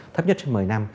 thấp nhất trên một mươi năm